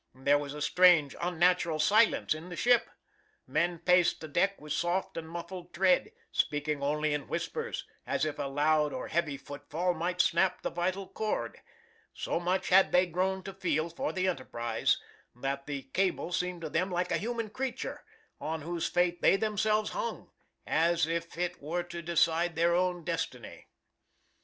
There was a strange, unnatural silence in the ship. Men paced the deck with soft and muffled tread, speaking only in whispers, as if a loud or heavy footfall might snap the vital cord. So much had they grown to feel for the enterprise, that the cable seemed to them like a human creature, on whose fate they themselves hung, as if it were to decide their own destiny.